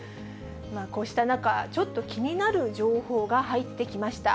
こうした中、ちょっと気になる情報が入ってきました。